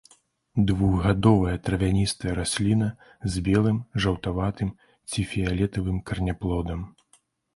Двухгадовая травяністая расліна з белым, жаўтаватым ці фіялетавым караняплодам.